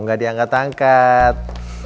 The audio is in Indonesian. gak diangkat angkat